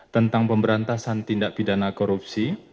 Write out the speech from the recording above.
tentang pemberantasan tindak pidana korupsi